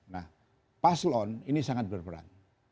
nah paslon ini sangat berperan